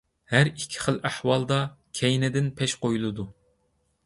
ھەر ئىككى خىل ئەھۋالدا كەينىدىن پەش قويۇلىدۇ.